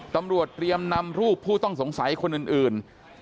ตำรวจเตรียมนำรูปผู้ต้องสงสัยคนอื่น